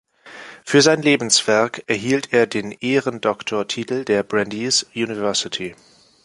Für sein Lebenswerk erhielt er den Ehrendoktortitel der Brandeis University.